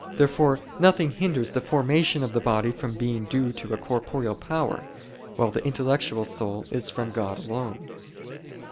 Therefore nothing hinders the formation of the body from being due to a corporeal power, while the intellectual soul is from God alone.